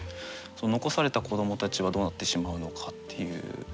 その残された子どもたちはどうなってしまうのかっていう。